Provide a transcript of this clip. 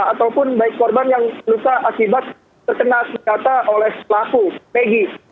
ataupun baik korban yang luka akibat terkena senjata oleh pelaku megi